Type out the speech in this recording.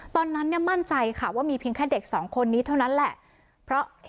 ตอนนั้นมั่นใจว่ามีเพียงแค่เด็ก๒คนนี้เท่านั้นแหละ